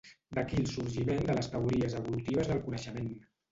D'aquí el sorgiment de les teories evolutives del coneixement.